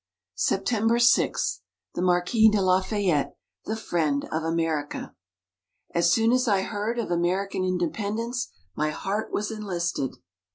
SEPTEMBER 6 THE MARQUIS DE LAFAYETTE THE FRIEND OF AMERICA _As soon as I heard of American Independence, my heart was enlisted!